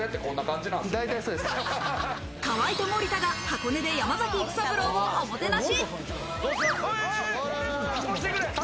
河合と森田が箱根で山崎育三郎をおもてなし。